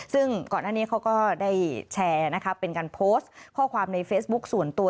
ซึ่งก่อนหน้านี้เขาก็ได้แชร์นะคะเป็นการโพสต์ข้อความในเฟซบุ๊คส่วนตัว